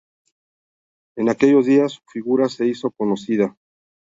En aquellos días, su figura se hizo conocida.